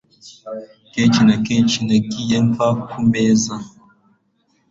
Kenshi na kenshi nagiye mva ku meza